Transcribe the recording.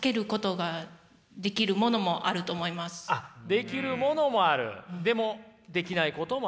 あっできるものもある？